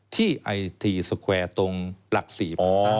ที่ไอทีสเกวร์ตรงหลัก๔ภาษา